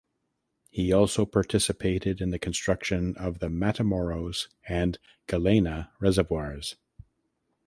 He also participated in the construction of the Matamoros and Galeana reservoirs.